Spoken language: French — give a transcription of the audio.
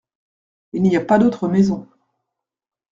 Il n’y a pas d’autre maison.